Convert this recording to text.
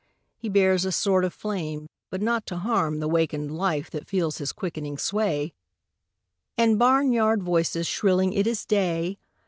He bears a sword of flame but not to harm The wakened life that feels his quickening sway And barnyard voices shrilling "It is day!"